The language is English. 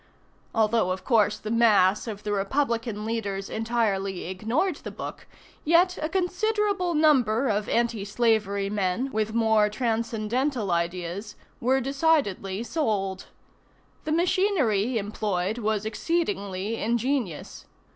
Although, of course, the mass of the Republican leaders entirely ignored the book, yet a considerable number of Anti Slavery men, with more transcendental ideas, were decidedly "sold." The machinery employed was exceedingly ingenious.